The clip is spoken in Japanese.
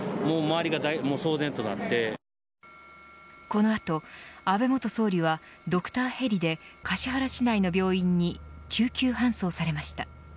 この後、安倍元総理はドクターヘリで橿原市内の病院に救急搬送されました。